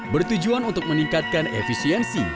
bertujuan untuk meningkatkan efisiensi